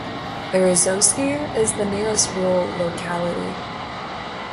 Beryozovsky is the nearest rural locality.